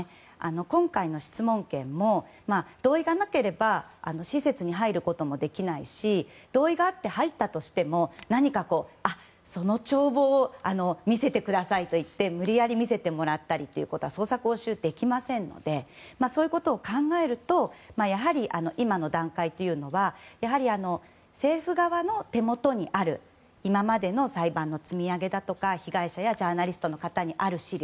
今回の質問権も同意がなければ施設に入ることもできないし同意があって入ったとしても何か、その帳簿を見せてくださいと言って無理やり見せてもらったりということはできませんのでそういうことを考えると今の段階というのはやはり、政府側の手元にある今までの裁判の積み上げだとか被害者やジャーナリストの方にある資料